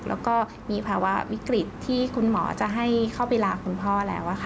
แล้วก็มีภาวะวิกฤตที่คุณหมอจะให้เข้าไปลาคุณพ่อแล้วค่ะ